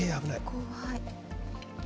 怖い。